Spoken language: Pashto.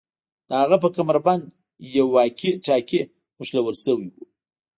د هغه په کمربند یو واکي ټاکي نښلول شوی و